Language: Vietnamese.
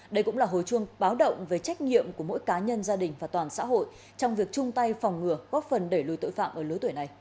đây cũng là hồi chuông báo động về trách nhiệm của mỗi cá nhân gia đình và toàn xã hội trong việc chung tay phòng ngừa góp phần đẩy lùi tội phạm ở lứa tuổi này